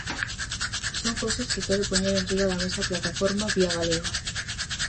Son cousas que quere poñer enriba da mesa a Plataforma Vía Galega.